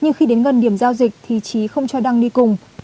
nhưng khi đến gần điểm giao dịch thì trí không cho đăng đi cùng